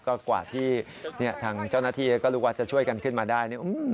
ก็กว่าที่ทางเจ้าหน้าที่ก็รู้ว่าจะช่วยกันขึ้นมาได้